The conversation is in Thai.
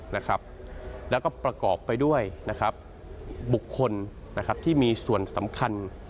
แล้วก็ประกอบไปด้วยบุคคลที่มีส่วนสำคัญ